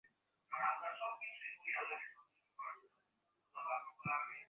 সামান্যীকরণ যত উচ্চধরনের হইবে, বিমূর্ত পটভূমিকাও তত ইন্দ্রিয়ানুভূতির বাহিরে থাকিবে।